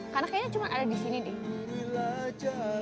karena kayaknya cuma ada di sini deh